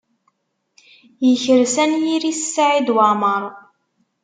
Yekres anyir-is Saɛid Waɛmaṛ.